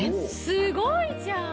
すごいじゃん！